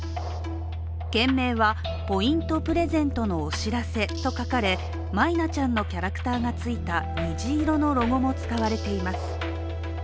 件名は「ポイントプレゼントのお知らせ」と書かれ、マイナちゃんのキャラクターがついた虹色のロゴも使われています。